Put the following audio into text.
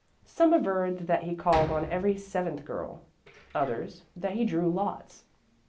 Some averred that he called on every seventh girl; others, that he drew lots.